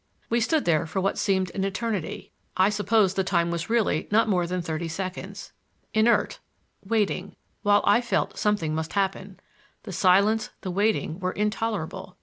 We stood there for what seemed an eternity—I suppose the time was really not more than thirty seconds—inert, waiting, while I felt that something must happen; the silence, the waiting, were intolerable.